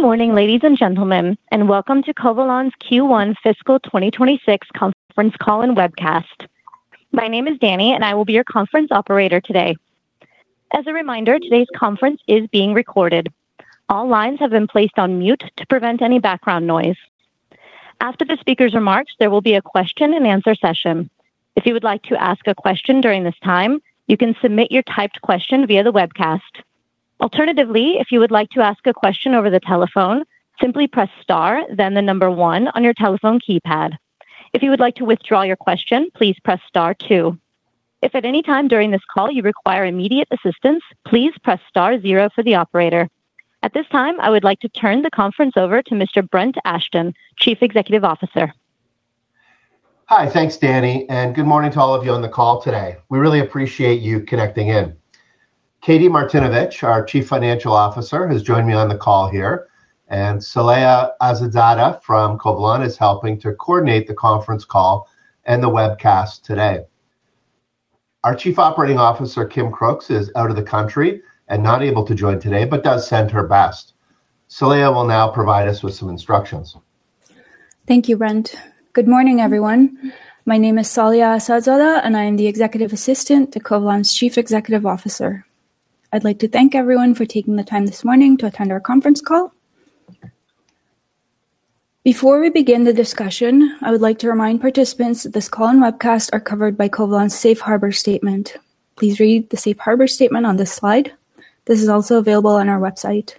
Good morning, ladies and gentlemen, and welcome to Covalon's Q1 Fiscal 2026 conference call and webcast. My name is Danny, and I will be your conference operator today. As a reminder, today's conference is being recorded. All lines have been placed on mute to prevent any background noise. After the speaker's remarks, there will be a question and answer session. If you would like to ask a question during this time, you can submit your typed question via the webcast. Alternatively, if you would like to ask a question over the telephone, simply press star, then the number one on your telephone keypad. If you would like to withdraw your question, please press star two. If at any time during this call you require immediate assistance, please press star zero for the operator. At this time, I would like to turn the conference over to Mr. Brent Ashton, Chief Executive Officer. Hi. Thanks, Danny, and good morning to all of you on the call today. We really appreciate you connecting in. Katie Martinovich, our Chief Financial Officer, has joined me on the call here, and Saleha Assadzada from Covalon is helping to coordinate the conference call and the webcast today. Our Chief Operating Officer, Kim Crooks, is out of the country and not able to join today, but does send her best. Saleha will now provide us with some instructions. Thank you, Brent. Good morning, everyone. My name is Saleha Assadzada, and I am the executive assistant to Covalon's Chief Executive Officer. I'd like to thank everyone for taking the time this morning to attend our conference call. Before we begin the discussion, I would like to remind participants that this call and webcast are covered by Covalon's Safe Harbor statement. Please read the Safe Harbor statement on this slide. This is also available on our website.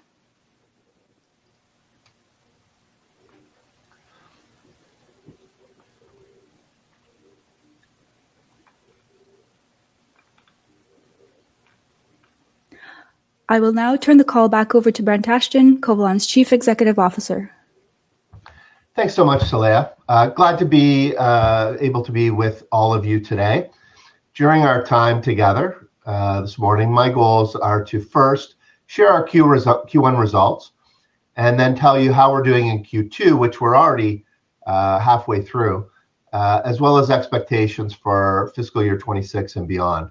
I will now turn the call back over to Brent Ashton, Covalon's Chief Executive Officer. Thanks so much, Saleha. Glad to be able to be with all of you today. During our time together this morning, my goals are to first share our Q1 results, then tell you how we're doing in Q2, which we're already halfway through, as well as expectations for fiscal year 2026 and beyond.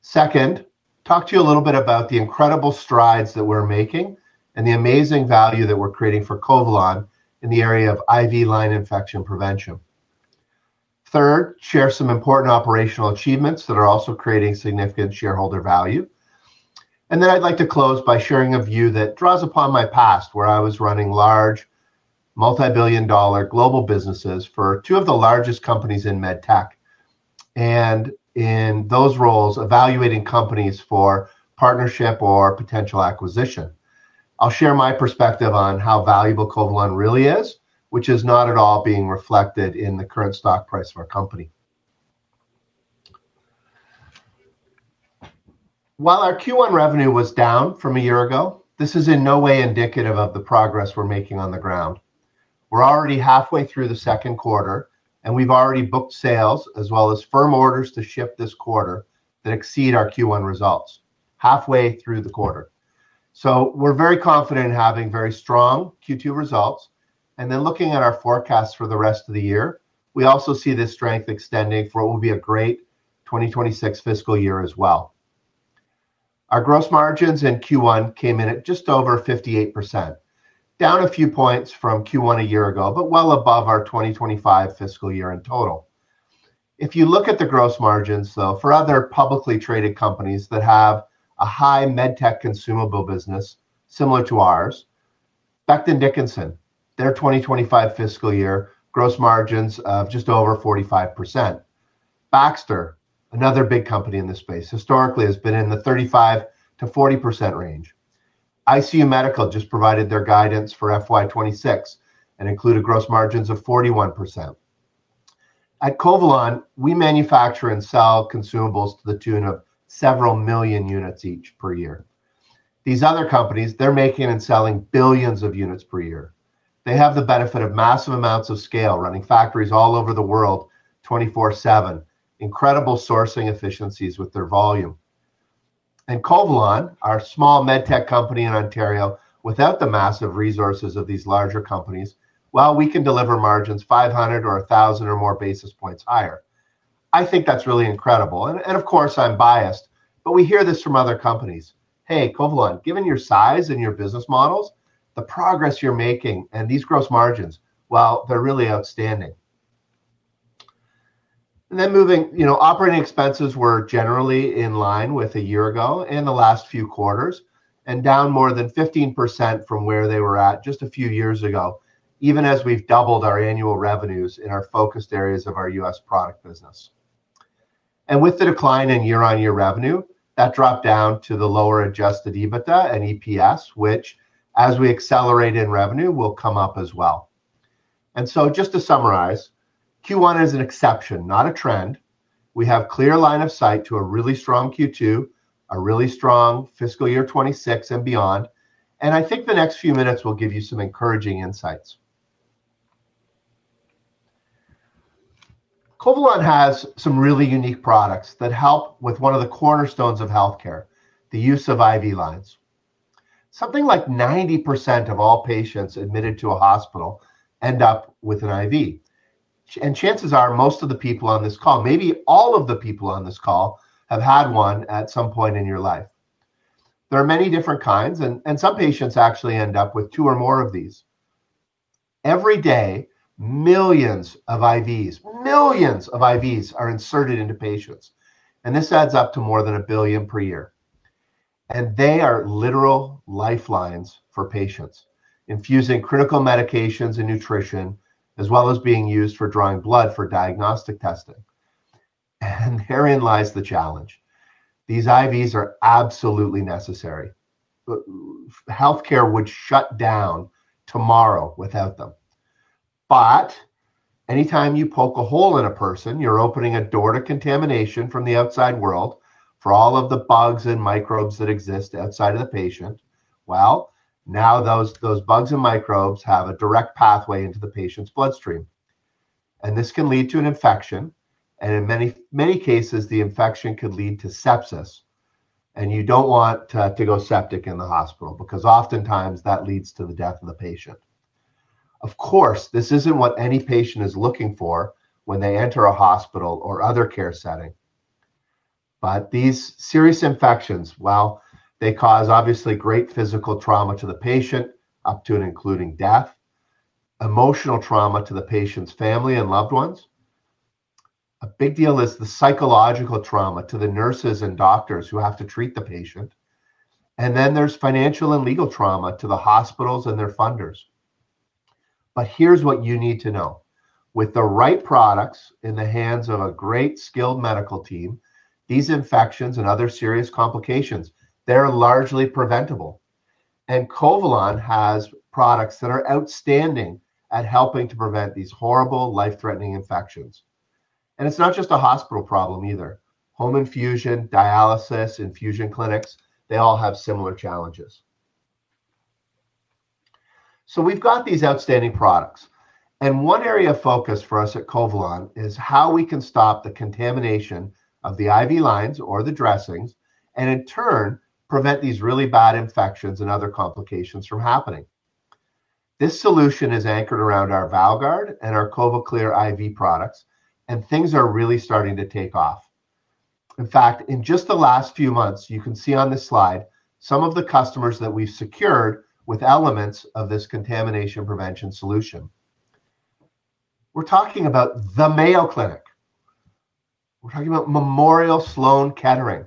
Second, talk to you a little bit about the incredible strides that we're making and the amazing value that we're creating for Covalon in the area of IV line infection prevention. Third, share some important operational achievements that are also creating significant shareholder value. I'd like to close by sharing a view that draws upon my past, where I was running large, multi-billion dollar global businesses for two of the largest companies in med tech, in those roles, evaluating companies for partnership or potential acquisition. I'll share my perspective on how valuable Covalon really is, which is not at all being reflected in the current stock price of our company. While our Q1 revenue was down from a year ago, this is in no way indicative of the progress we're making on the ground. We're already halfway through the second quarter, we've already booked sales, as well as firm orders to ship this quarter, that exceed our Q1 results, halfway through the quarter. We're very confident in having very strong Q2 results. Looking at our forecast for the rest of the year, we also see this strength extending for what will be a great 2026 fiscal year as well. Our gross margins in Q1 came in at just over 58%, down a few points from Q1 a year ago, but well above our 2025 fiscal year in total. If you look at the gross margins, though, for other publicly traded companies that have a high med tech consumable business similar to ours, Becton Dickinson, their 2025 fiscal year gross margins of just over 45%. Baxter, another big company in this space, historically has been in the 35%-40% range. ICU Medical just provided their guidance for FY 2026 and included gross margins of 41%. At Covalon, we manufacture and sell consumables to the tune of several million units each per year. These other companies, they're making and selling billions of units per year. They have the benefit of massive amounts of scale, running factories all over the world, 24/7, incredible sourcing efficiencies with their volume. Covalon, our small med tech company in Ontario, without the massive resources of these larger companies, while we can deliver margins 500 or 1,000 or more basis points higher, I think that's really incredible. Of course, I'm biased, but we hear this from other companies: "Hey, Covalon, given your size and your business models, the progress you're making and these gross margins, well, they're really outstanding." Then moving... You know, operating expenses were generally in line with a year ago in the last few quarters, and down more than 15% from where they were at just a few years ago, even as we've doubled our annual revenues in our focused areas of our U.S. product business. With the decline in year-on-year revenue, that dropped down to the lower Adjusted EBITDA and EPS, which, as we accelerate in revenue, will come up as well. Just to summarize, Q1 is an exception, not a trend. We have clear line of sight to a really strong Q2, a really strong fiscal year 2026 and beyond, and I think the next few minutes will give you some encouraging insights. Covalon has some really unique products that help with one of the cornerstones of healthcare, the use of IV lines. Something like 90% of all patients admitted to a hospital end up with an IV. Chances are most of the people on this call, maybe all of the people on this call, have had one at some point in your life. There are many different kinds, and some patients actually end up with two or more of these. Every day, millions of IVs are inserted into patients, and this adds up to more than a billion per year. They are literal lifelines for patients, infusing critical medications and nutrition, as well as being used for drawing blood for diagnostic testing. Herein lies the challenge: these IVs are absolutely necessary. Healthcare would shut down tomorrow without them. Anytime you poke a hole in a person, you're opening a door to contamination from the outside world for all of the bugs and microbes that exist outside of the patient. Well, now, those bugs and microbes have a direct pathway into the patient's bloodstream, and this can lead to an infection, and in many cases, the infection could lead to sepsis. You don't want to go septic in the hospital, because oftentimes that leads to the death of the patient. Of course, this isn't what any patient is looking for when they enter a hospital or other care setting. These serious infections, well, they cause obviously great physical trauma to the patient, up to and including death, emotional trauma to the patient's family and loved ones. A big deal is the psychological trauma to the nurses and doctors who have to treat the patient, there's financial and legal trauma to the hospitals and their funders. Here's what you need to know. With the right products in the hands of a great, skilled medical team, these infections and other serious complications, they're largely preventable. Covalon has products that are outstanding at helping to prevent these horrible life-threatening infections. It's not just a hospital problem either. Home infusion, dialysis, infusion clinics, they all have similar challenges. We've got these outstanding products, and one area of focus for us at Covalon is how we can stop the contamination of the IV lines or the dressings, and in turn, prevent these really bad infections and other complications from happening. This solution is anchored around our VALGuard and our CovaClear IV products, and things are really starting to take off. In fact, in just the last few months, you can see on this slide, some of the customers that we've secured with elements of this contamination prevention solution. We're talking about the Mayo Clinic. We're talking about Memorial Sloan Kettering,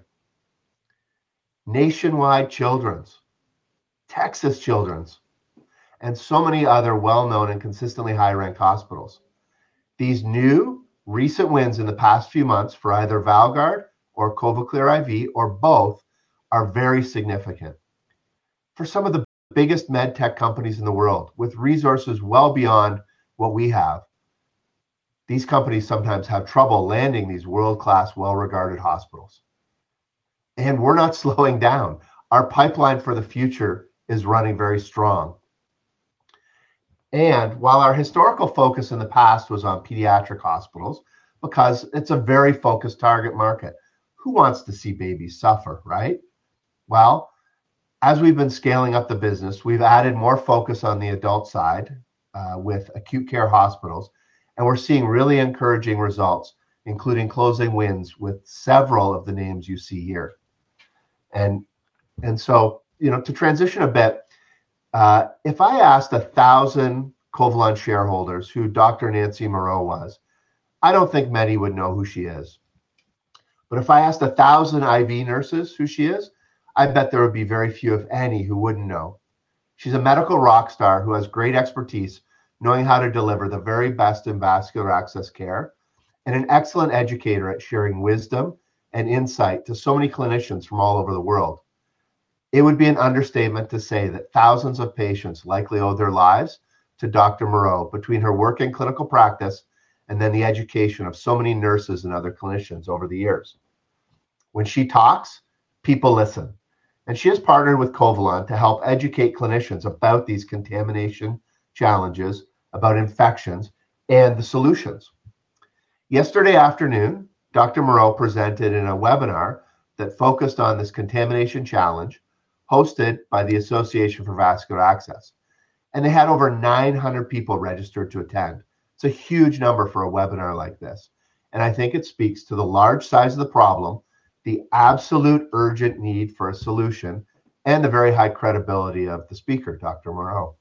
Nationwide Children's, Texas Children's, and so many other well-known and consistently high-ranked hospitals. These new recent wins in the past few months for either VALGuard or CovaClear IV or both, are very significant. For some of the biggest med tech companies in the world, with resources well beyond what we have, these companies sometimes have trouble landing these world-class, well-regarded hospitals. We're not slowing down. Our pipeline for the future is running very strong. While our historical focus in the past was on pediatric hospitals, because it's a very focused target market, who wants to see babies suffer, right? Well, as we've been scaling up the business, we've added more focus on the adult side, with acute care hospitals, and we're seeing really encouraging results, including closing wins with several of the names you see here. You know, to transition a bit, if I asked 1,000 Covalon shareholders who- ...Dr. Nancy Moureau was, I don't think many would know who she is. But if I asked a 1,000 IV nurses who she is, I bet there would be very few, if any, who wouldn't know. She's a medical rockstar who has great expertise knowing how to deliver the very best in vascular access care, and an excellent educator at sharing wisdom and insight to so many clinicians from all over the world. It would be an understatement to say that thousands of patients likely owe their lives to Dr. Moureau between her work in clinical practice and then the education of so many nurses and other clinicians over the years. When she talks, people listen, and she has partnered with Covalon to help educate clinicians about these contamination challenges, about infections and the solutions. Yesterday afternoon- ...Dr. Moureau presented in a webinar that focused on this contamination challenge hosted by the Association for Vascular Access. They had over 900 people registered to attend. It's a huge number for a webinar like this, and I think it speaks to the large size of the problem, the absolute urgent need for a solution, and the very high credibility of the speaker, Dr. Moureau.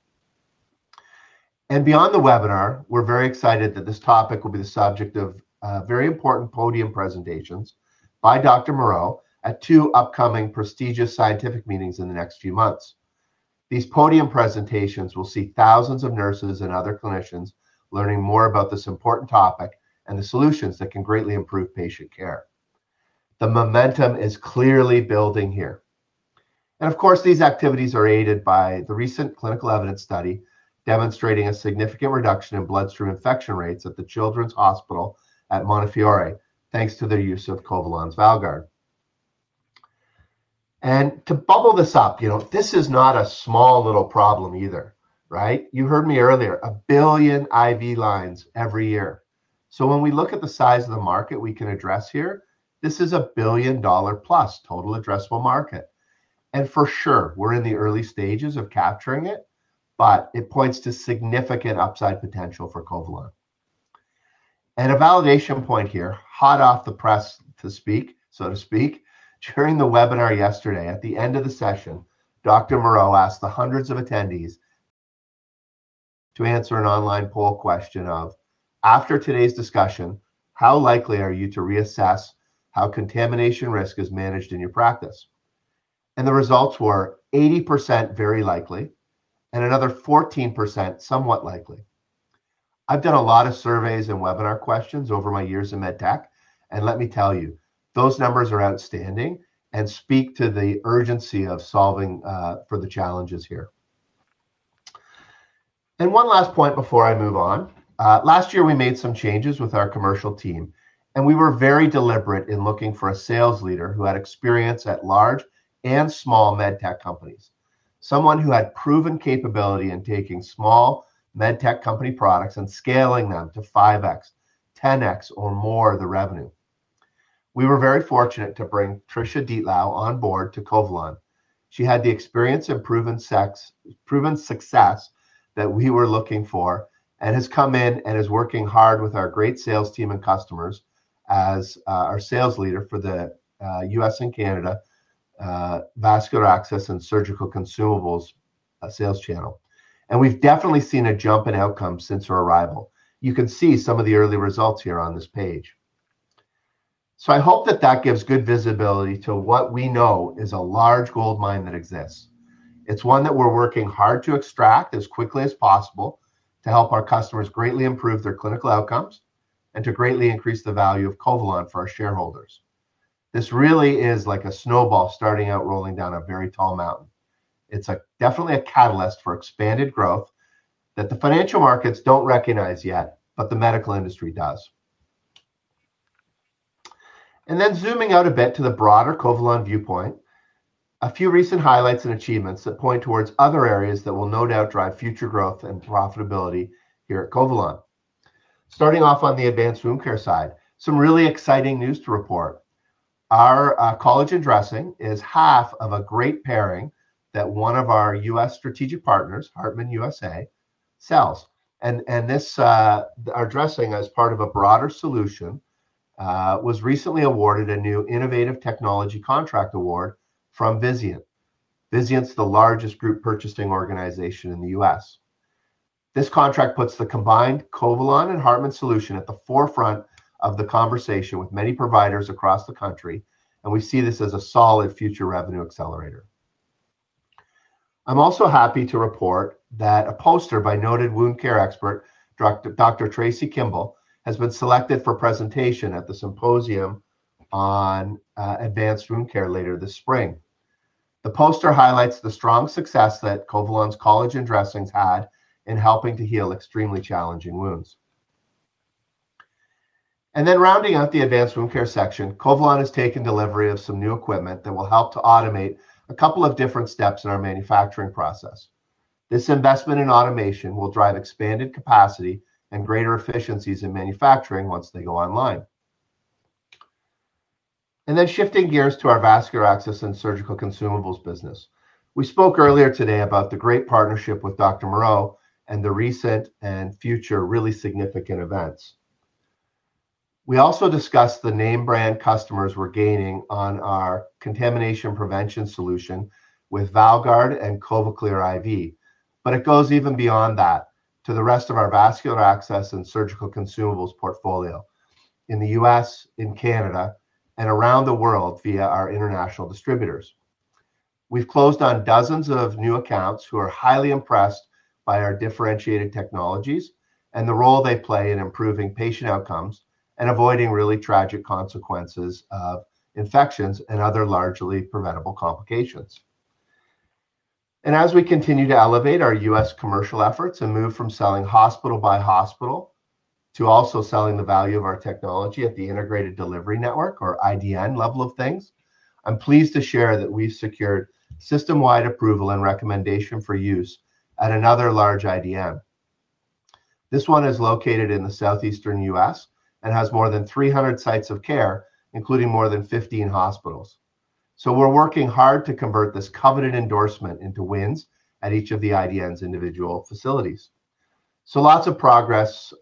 Beyond the webinar, we're very excited that this topic will be the subject of very important podium presentations by Dr. Moureau at two upcoming prestigious scientific meetings in the next few months. These podium presentations will see thousands of nurses and other clinicians learning more about this important topic and the solutions that can greatly improve patient care. The momentum is clearly building here. Of course, these activities are aided by the recent clinical evidence study, demonstrating a significant reduction in bloodstream infection rates at the Children's Hospital at Montefiore, thanks to their use of Covalon's VALGuard. To bubble this up, you know, this is not a small, little problem either, right? You heard me earlier, a billion IV lines every year. When we look at the size of the market we can address here, this is a billion-dollar-plus total addressable market. For sure, we're in the early stages of capturing it, but it points to significant upside potential for Covalon. A validation point here, hot off the press to speak, so to speak. During the webinar yesterday, at the end of the session-... Dr. Moureau asked the hundreds of attendees to answer an online poll question of, "After today's discussion, how likely are you to reassess how contamination risk is managed in your practice?" The results were 80% very likely, and another 14% somewhat likely. I've done a lot of surveys and webinar questions over my years in med tech, and let me tell you, those numbers are outstanding and speak to the urgency of solving for the challenges here. One last point before I move on. Last year, we made some changes with our commercial team, and we were very deliberate in looking for a sales leader who had experience at large and small med tech companies. Someone who had proven capability in taking small med tech company products and scaling them to 5x, 10x, or more the revenue. We were very fortunate to bring Tricia Dittlau on board to Covalon. She had the experience and proven success that we were looking for, and has come in and is working hard with our great sales team and customers as our sales leader for the U.S. and Canada vascular access and surgical consumables sales channel. We've definitely seen a jump in outcome since her arrival. You can see some of the early results here on this page. I hope that that gives good visibility to what we know is a large gold mine that exists. It's one that we're working hard to extract as quickly as possible, to help our customers greatly improve their clinical outcomes, and to greatly increase the value of Covalon for our shareholders. This really is like a snowball starting out, rolling down a very tall mountain. It's definitely a catalyst for expanded growth that the financial markets don't recognize yet, but the medical industry does. Zooming out a bit to the broader Covalon viewpoint, a few recent highlights and achievements that point towards other areas that will no doubt drive future growth and profitability here at Covalon. Starting off on the advanced wound care side, some really exciting news to report. Our collagen dressing is half of a great pairing that one of our U.S. strategic partners, HARTMANN USA, sells. This, our dressing, as part of a broader solution, was recently awarded a new innovative technology contract award from Vizient. Vizient's the largest group purchasing organization in the U.S. This contract puts the combined Covalon and Hartmann solution at the forefront of the conversation with many providers across the country, we see this as a solid future revenue accelerator. I'm also happy to report that a poster by noted wound care expert, Dr. Traci Kimball, has been selected for presentation at the Symposium on Advanced Wound Care later this spring. The poster highlights the strong success that Covalon's collagen dressings had in helping to heal extremely challenging wounds. Rounding out the advanced wound care section, Covalon has taken delivery of some new equipment that will help to automate a couple of different steps in our manufacturing process. This investment in automation will drive expanded capacity and greater efficiencies in manufacturing once they go online. Shifting gears to our vascular access and surgical consumables business. We spoke earlier today about the great partnership with Dr. Moureau and the recent and future really significant events. We also discussed the name brand customers we're gaining on our contamination prevention solution with VALGuard and CovaClear IV. It goes even beyond that to the rest of our vascular access and surgical consumables portfolio in the U.S., in Canada, and around the world via our international distributors. We've closed on dozens of new accounts who are highly impressed by our differentiated technologies and the role they play in improving patient outcomes and avoiding really tragic consequences of infections and other largely preventable complications. As we continue to elevate our U.S. commercial efforts and move from selling hospital by hospital to also selling the value of our technology at the Integrated Delivery Network or IDN level of things, I'm pleased to share that we've secured system-wide approval and recommendation for use at another large IDN. This one is located in the southeastern U.S. and has more than 300 sites of care, including more than 15 hospitals. We're working hard to convert this coveted endorsement into wins at each of the IDN's individual facilities. Lots of progress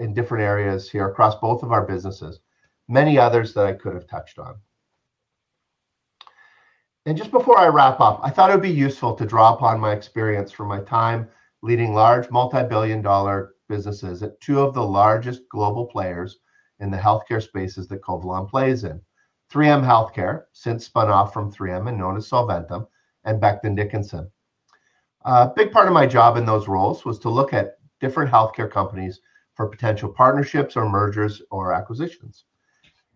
in different areas here across both of our businesses, many others that I could have touched on. Just before I wrap up, I thought it would be useful to draw upon my experience from my time leading large multi-billion dollar businesses at two of the largest global players in the healthcare spaces that Covalon plays in. 3M Health Care, since spun off from 3M and known as Solventum, and Becton Dickinson. A big part of my job in those roles was to look at different healthcare companies for potential partnerships, or mergers, or acquisitions.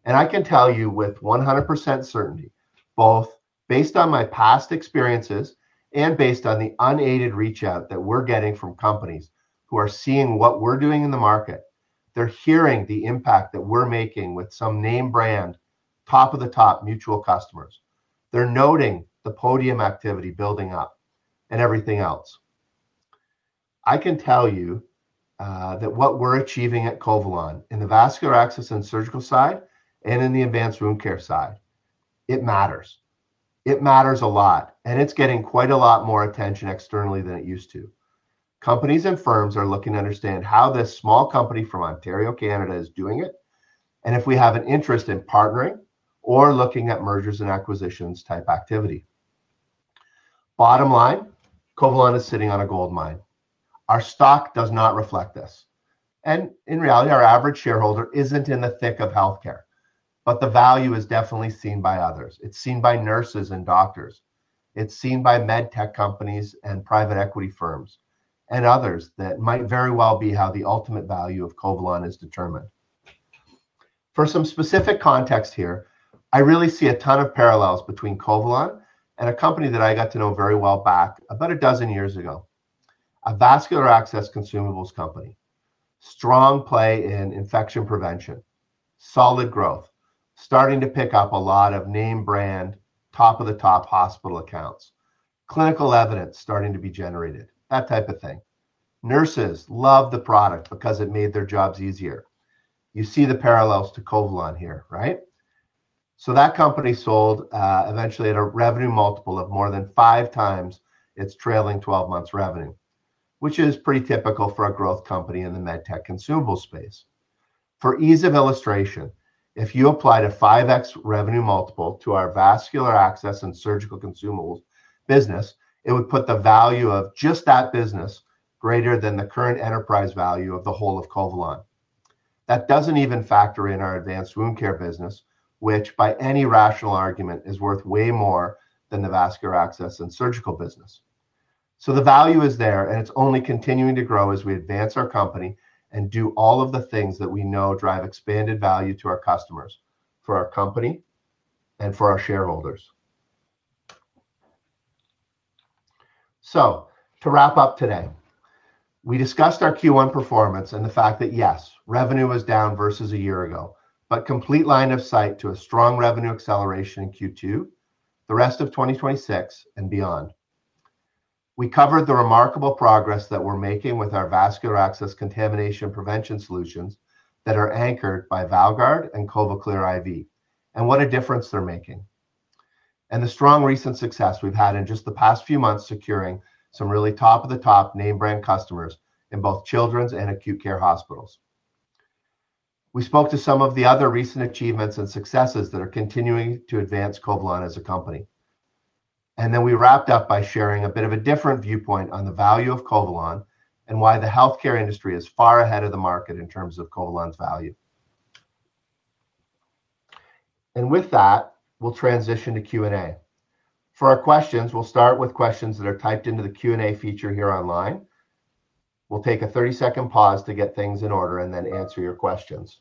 I can tell you with 100% certainty, both based on my past experiences and based on the unaided reach out that we're getting from companies who are seeing what we're doing in the market, they're hearing the impact that we're making with some name brand, top-of-the-top mutual customers. They're noting the podium activity building up and everything else. I can tell you that what we're achieving at Covalon, in the vascular access and surgical side and in the advanced wound care side, it matters. It matters a lot, and it's getting quite a lot more attention externally than it used to. Companies and firms are looking to understand how this small company from Ontario, Canada, is doing it, and if we have an interest in partnering or looking at mergers and acquisitions type activity. Bottom line, Covalon is sitting on a gold mine. Our stock does not reflect this, and in reality, our average shareholder isn't in the thick of healthcare, but the value is definitely seen by others. It's seen by nurses and doctors. It's seen by med tech companies and private equity firms and others that might very well be how the ultimate value of Covalon is determined. For some specific context here, I really see a ton of parallels between Covalon and a company that I got to know very well back about a dozen years ago. A vascular access consumables company, strong play in infection prevention, solid growth, starting to pick up a lot of name brand, top of the top hospital accounts, clinical evidence starting to be generated, that type of thing. Nurses love the product because it made their jobs easier. You see the parallels to Covalon here, right? That company sold eventually at a revenue multiple of more than 5x its trailing 12 months revenue, which is pretty typical for a growth company in the med tech consumable space. For ease of illustration, if you applied a 5x revenue multiple to our vascular access and surgical consumables business, it would put the value of just that business greater than the current enterprise value of the whole of Covalon. That doesn't even factor in our advanced wound care business, which, by any rational argument, is worth way more than the vascular access and surgical business. The value is there, and it's only continuing to grow as we advance our company and do all of the things that we know drive expanded value to our customers, for our company, and for our shareholders. To wrap up today, we discussed our Q1 performance and the fact that, yes, revenue was down versus a year ago, but complete line of sight to a strong revenue acceleration in Q2, the rest of 2026 and beyond. We covered the remarkable progress that we're making with our vascular access contamination prevention solutions that are anchored by VALGuard and CovaClear IV, and what a difference they're making. The strong recent success we've had in just the past few months, securing some really top of the top name brand customers in both children's and acute care hospitals. We spoke to some of the other recent achievements and successes that are continuing to advance Covalon as a company. Then we wrapped up by sharing a bit of a different viewpoint on the value of Covalon and why the healthcare industry is far ahead of the market in terms of Covalon's value. With that, we'll transition to Q&A. For our questions, we'll start with questions that are typed into the Q&A feature here online. We'll take a 30-second pause to get things in order and then answer your questions.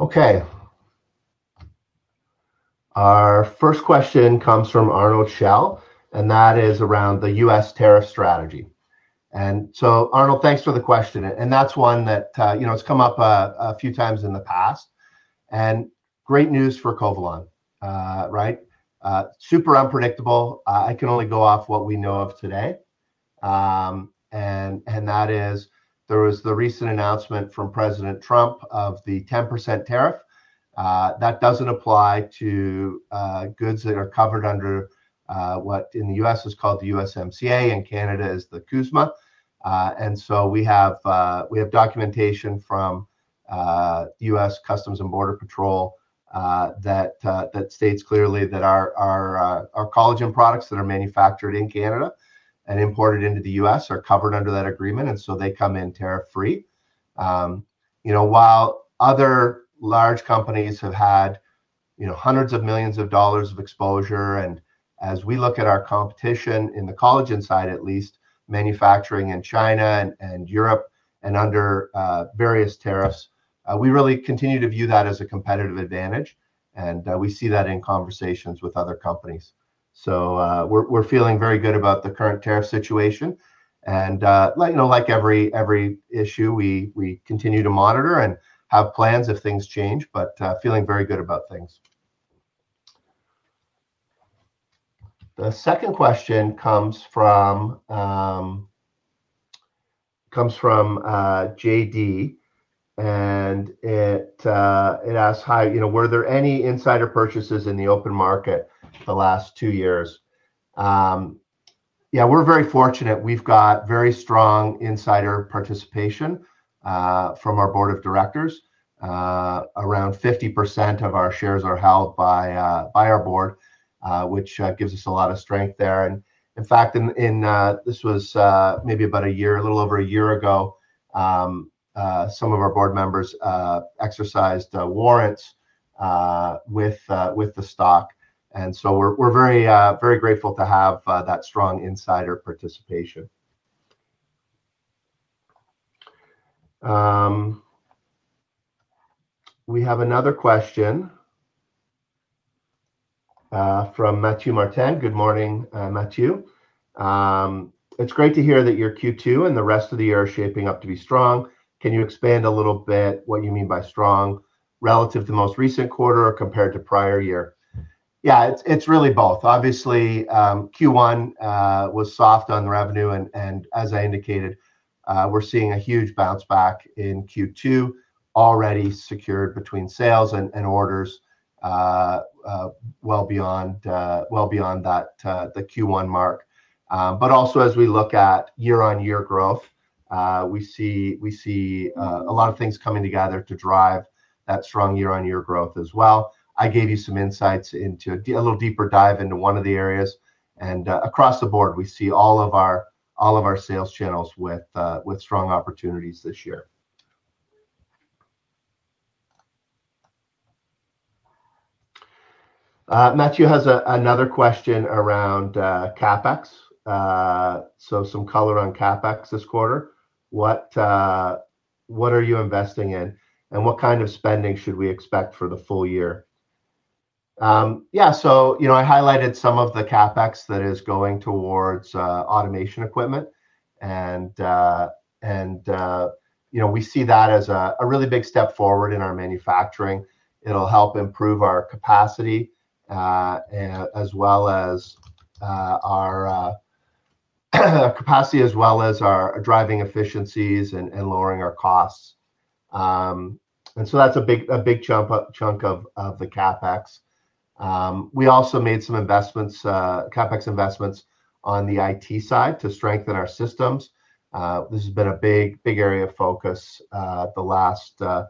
Okay. Our first question comes from Arnold Schell, and that is around the U.S. tariff strategy. Arnold, thanks for the question, and that's one that, you know, it's come up a few times in the past, and great news for Covalon. Right? Super unpredictable. I can only go off what we know of today, and that is, there was the recent announcement from President Trump of the 10% tariff. That doesn't apply to goods that are covered under what in the U.S. is called the USMCA, in Canada is the CUSMA. We have documentation from U.S. Customs and Border Protection that states clearly that our collagen products that are manufactured in Canada and imported into the U.S. are covered under that agreement, so they come in tariff-free. You know, while other large companies have had, you know, hundreds of millions of dollars of exposure, as we look at our competition in the collagen side, at least, manufacturing in China and Europe and under various tariffs, we really continue to view that as a competitive advantage, we see that in conversations with other companies. We're feeling very good about the current tariff situation, and, you know, like every issue, we continue to monitor and have plans if things change, but feeling very good about things. The second question comes from JD, and it asks, "Hi, you know, were there any insider purchases in the open market the last two years?" Yeah, we're very fortunate. We've got very strong insider participation from our board of directors. Around 50% of our shares are held by our board, which gives us a lot of strength there. In fact... This was maybe about a year, a little over a year ago, some of our board members exercised warrants with the stock. We're very, very grateful to have that strong insider participation. We have another question from Matthew Martin. Good morning, Matthew. "It's great to hear that your Q2 and the rest of the year are shaping up to be strong. Can you expand a little bit what you mean by strong relative to most recent quarter or compared to prior year?" It's really both. Obviously, Q1 was soft on the revenue. As I indicated, we're seeing a huge bounce back in Q2 already secured between sales and orders, well beyond that, the Q1 mark. Also as we look at year-on-year growth, we see a lot of things coming together to drive that strong year-on-year growth as well. I gave you some insights into a little deeper dive into one of the areas, across the board, we see all of our sales channels with strong opportunities this year. Matthew has another question around CapEx. Some color on CapEx this quarter. What are you investing in, what kind of spending should we expect for the full year? You know, I highlighted some of the CapEx that is going towards automation equipment, you know, we see that as a really big step forward in our manufacturing. It'll help improve our capacity, as well as our driving efficiencies and lowering our costs. That's a big chunk of the CapEx. We also made some investments, CapEx investments on the IT side to strengthen our systems. This has been a big area of focus the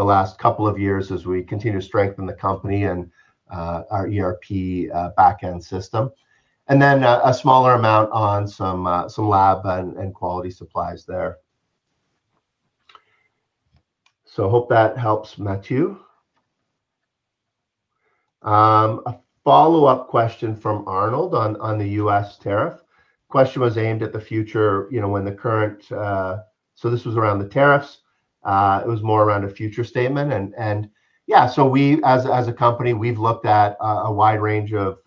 last couple of years as we continue to strengthen the company and our ERP backend system. Then a smaller amount on some lab and quality supplies there. Hope that helps, Matthew. A follow-up question from Arnold on the U.S. tariff. Question was aimed at the future, you know, when the current... This was around the tariffs. It was more around a future statement. Yeah, so we, as a company, we've looked at a wide range of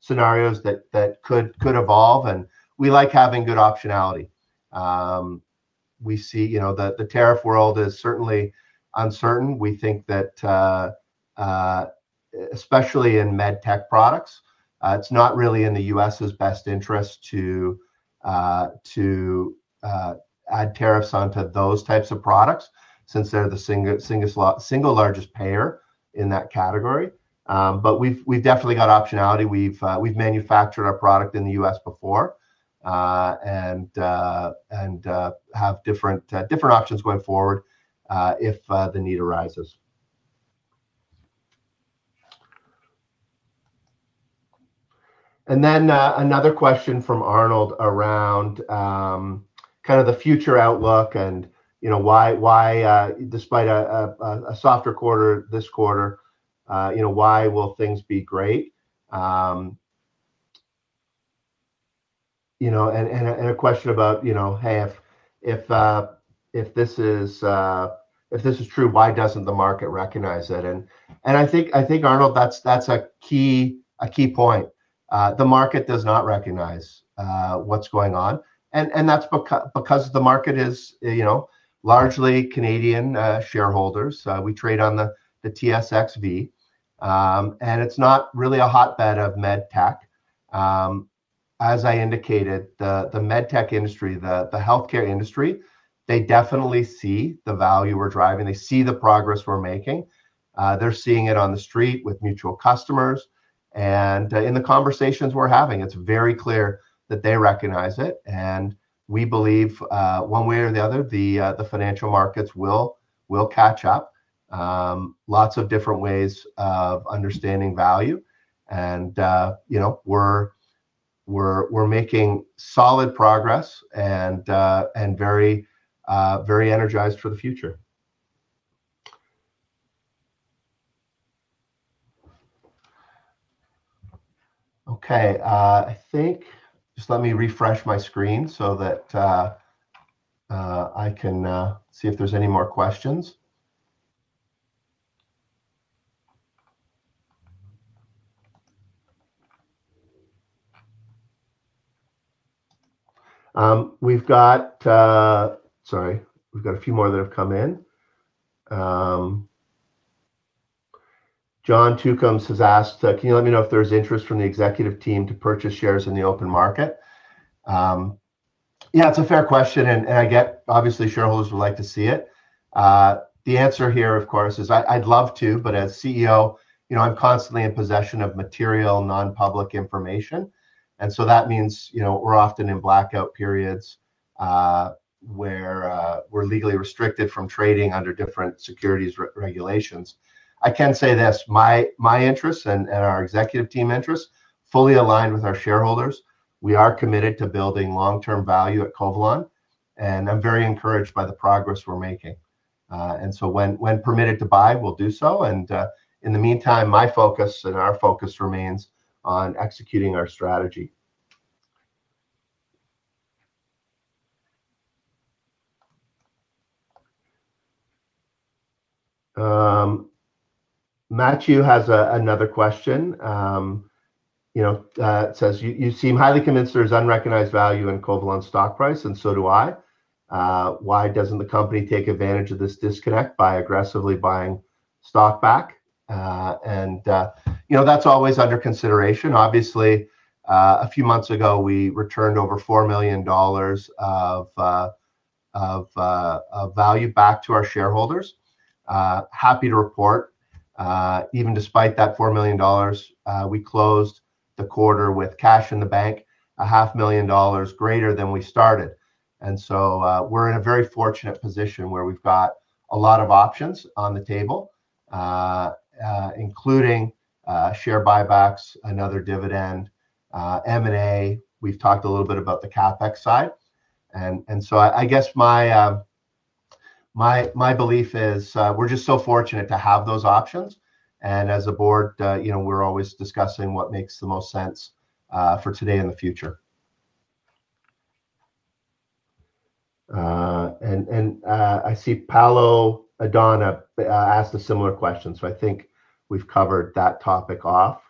scenarios that could evolve, and we like having good optionality. We see, you know, the tariff world is certainly uncertain. We think that especially in medtech products, it's not really in the U.S.'s best interest to add tariffs onto those types of products since they're the single largest payer in that category. We've definitely got optionality. We've manufactured our product in the U.S. before and have different options going forward if the need arises. Another question from Arnold around kind of the future outlook and, you know, why despite a softer quarter this quarter, you know, why will things be great? You know, a question about, you know, hey, if if this is true, why doesn't the market recognize it? I think, Arnold, that's a key point. The market does not recognize what's going on, and that's because the market is, you know, largely Canadian shareholders. We trade on the TSXV, and it's not really a hotbed of med tech. As I indicated, the med tech industry, the healthcare industry, they definitely see the value we're driving. They see the progress we're making. They're seeing it on the street with mutual customers, in the conversations we're having, it's very clear that they recognize it, we believe one way or the other, the financial markets will catch up. Lots of different ways of understanding value and, you know, we're making solid progress and very energized for the future. Okay, Just let me refresh my screen so that I can see if there's any more questions. We've got, sorry, we've got a few more that have come in. John Tucums has asked, "Can you let me know if there's interest from the executive team to purchase shares in the open market?" Yeah, it's a fair question, I get obviously shareholders would like to see it. The answer here, of course, is I'd love to. As CEO, you know, I'm constantly in possession of material, non-public information. That means, you know, we're often in blackout periods, where we're legally restricted from trading under different securities regulations. I can say this, my interests and our executive team interests fully align with our shareholders. We are committed to building long-term value at Covalon. I'm very encouraged by the progress we're making. When permitted to buy, we'll do so. In the meantime, my focus and our focus remains on executing our strategy. Matthew has another question. You know, it says, "You seem highly convinced there's unrecognized value in Covalon stock price. So do I. Why doesn't the company take advantage of this disconnect by aggressively buying stock back? You know, that's always under consideration. Obviously, a few months ago, we returned over 4 million dollars of value back to our shareholders. Happy to report, even despite that 4 million dollars, we closed the quarter with cash in the bank, a half million dollars greater than we started. So, we're in a very fortunate position where we've got a lot of options on the table, including share buybacks, another dividend, M&A. We've talked a little bit about the CapEx side. I guess my belief is we're just so fortunate to have those options, and as a board, you know, we're always discussing what makes the most sense for today and the future. I see Paulo Codina asked a similar question. I think we've covered that topic off.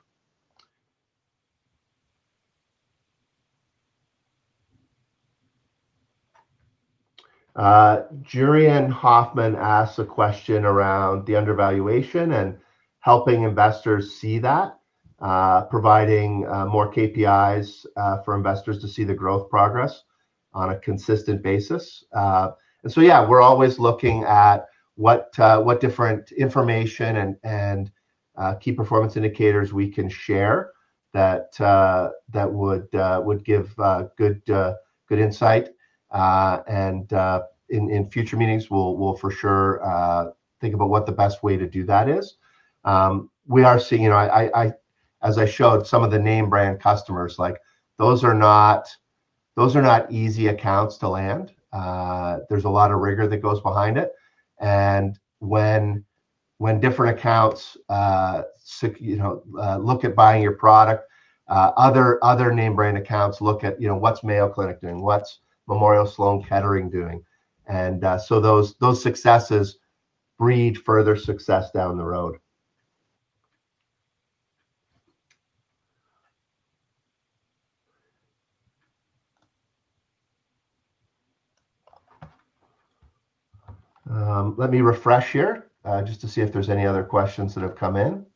Jurriaan Hoffmann asked a question around the undervaluation and helping investors see that, providing more KPIs for investors to see the growth progress on a consistent basis. Yeah, we're always looking at what different information and key performance indicators we can share that would give good insight. In future meetings, we'll for sure think about what the best way to do that is. We are seeing... You know, I, as I showed some of the name brand customers, like, those are not easy accounts to land. There's a lot of rigor that goes behind it, and when different accounts, you know, look at buying your product, other name brand accounts, look at, you know, what's Mayo Clinic doing? What's Memorial Sloan Kettering doing? Those successes breed further success down the road. Let me refresh here, just to see if there's any other questions that have come in.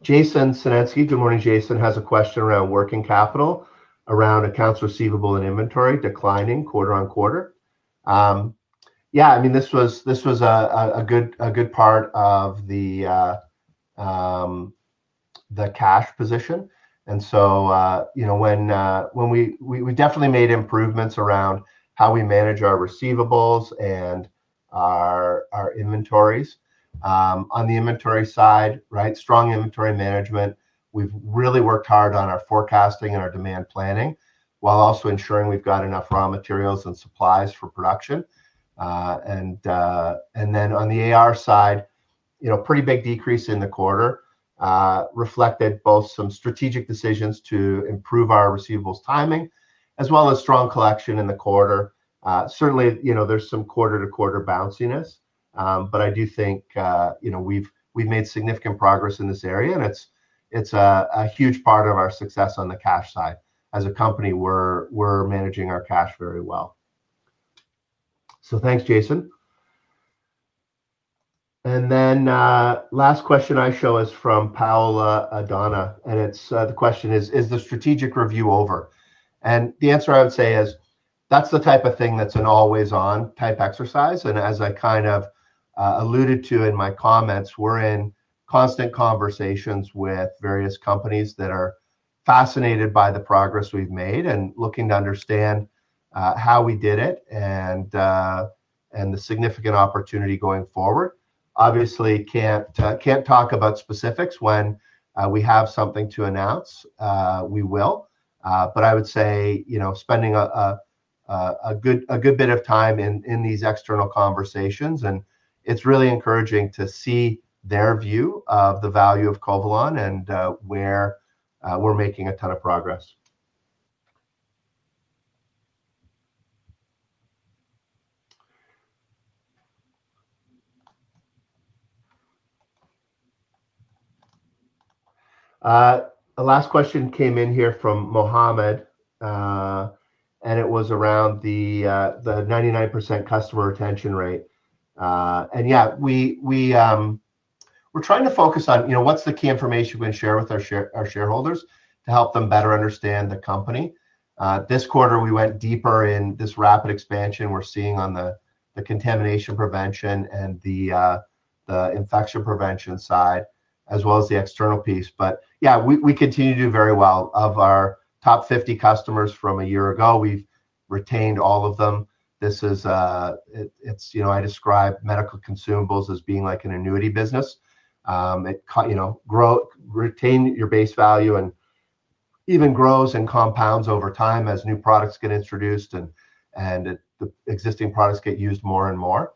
Jason Senesky, good morning, Jason, has a question around working capital, around accounts receivable and inventory declining quarter on quarter. Yeah, I mean, this was a good part of the cash position. You know, when we definitely made improvements around how we manage our receivables and our inventories. On the inventory side, right, strong inventory management, we've really worked hard on our forecasting and our demand planning, while also ensuring we've got enough raw materials and supplies for production. On the AR side, you know, pretty big decrease in the quarter, reflected both some strategic decisions to improve our receivables timing, as well as strong collection in the quarter. Certainly, you know, there's some quarter-to-quarter bounciness, I do think, you know, we've made significant progress in this area, and it's a huge part of our success on the cash side. As a company, we're managing our cash very well. Thanks, Jason. Last question I show is from Paolo Codina, and it's the question is: "Is the strategic review over?" The answer I would say is, that's the type of thing that's an always-on type exercise, and as I kind of alluded to in my comments, we're in constant conversations with various companies that are fascinated by the progress we've made and looking to understand how we did it, and the significant opportunity going forward. Obviously, can't talk about specifics. When we have something to announce, we will. I would say, you know, spending a good bit of time in these external conversations, and it's really encouraging to see their view of the value of Covalon and where we're making a ton of progress. The last question came in here from Mohammed, and it was around the 99% customer retention rate. Yeah, we're trying to focus on, you know, what's the key information we share with our shareholders to help them better understand the company. This quarter, we went deeper in this rapid expansion we're seeing on the contamination prevention and the infection prevention side, as well as the external piece. Yeah, we continue to do very well. Of our top 50 customers from a year ago, we've retained all of them. This is. It's, you know, I describe medical consumables as being like an annuity business. It, you know, retain your base value and even grows and compounds over time as new products get introduced and the existing products get used more and more.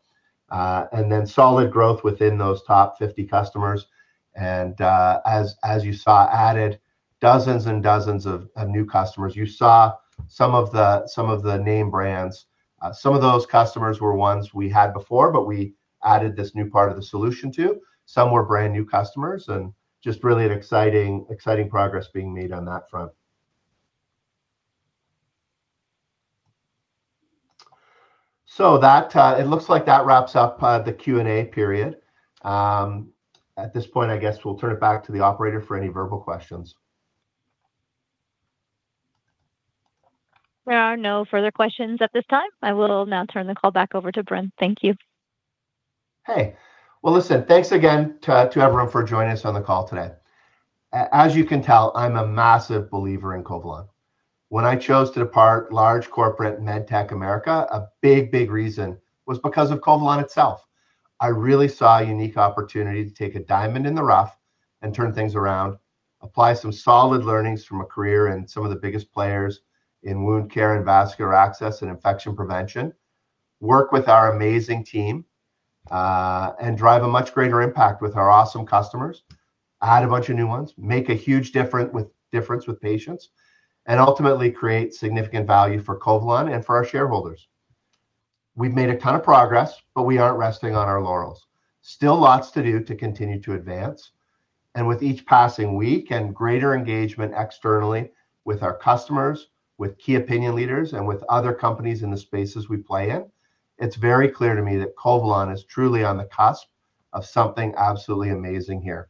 Then solid growth within those top 50 customers, and, as you saw, added dozens and dozens of new customers. You saw some of the name brands. Some of those customers were ones we had before, but we added this new part of the solution to. Some were brand-new customers, and just really an exciting progress being made on that front. That, it looks like that wraps up the Q&A period. At this point, I guess we'll turn it back to the operator for any verbal questions. There are no further questions at this time. I will now turn the call back over to Brent. Thank you. Hey. Well, listen, thanks again to everyone for joining us on the call today. As you can tell, I'm a massive believer in Covalon. When I chose to depart large corporate MedTech America, a big reason was because of Covalon itself. I really saw a unique opportunity to take a diamond in the rough and turn things around, apply some solid learnings from a career in some of the biggest players in wound care and vascular access and infection prevention, work with our amazing team and drive a much greater impact with our awesome customers, add a bunch of new ones, make a huge difference with patients, ultimately create significant value for Covalon and for our shareholders. We've made a ton of progress. We aren't resting on our laurels. Still lots to do to continue to advance, and with each passing week and greater engagement externally with our customers, with key opinion leaders, and with other companies in the spaces we play in, it's very clear to me that Covalon is truly on the cusp of something absolutely amazing here.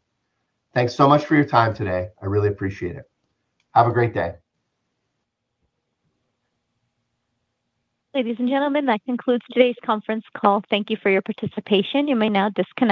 Thanks so much for your time today. I really appreciate it. Have a great day. Ladies and gentlemen, that concludes today's conference call. Thank you for your participation. You may now disconnect.